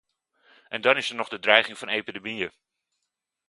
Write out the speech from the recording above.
En dan is er nog de dreiging van epidemieën.